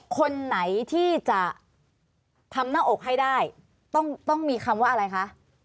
คนไหนที่จะทำหน้าอกให้ได้ต้องมีคำว่าอะไรคะ